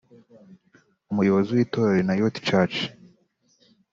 Umuyobozi w’itorero Nayoth Church